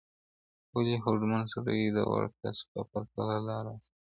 ولي هوډمن سړی د وړ کس په پرتله لاره اسانه کوي؟